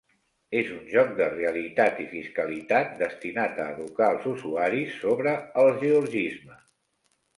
És un joc de realitat i fiscalitat destinat a educar els usuaris sobre el georgisme.